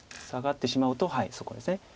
サガってしまうとはいそこです。